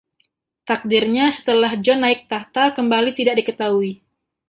Takdirnya setelah John naik takhta kembali tidak diketahui.